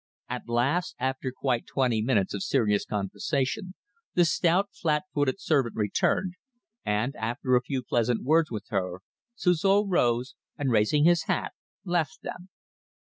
At last, after quite twenty minutes of serious conversation, the stout, flat footed servant returned, and after a few pleasant words with her, Suzor rose, and raising his hat, left them.